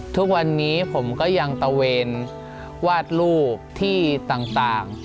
ทุกวันนี้ผมก็ยังตะเวนวาดรูปที่ต่าง